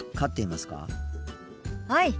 はい。